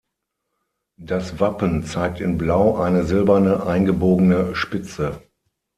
Das Wappen zeigt in Blau eine silberne eingebogene Spitze.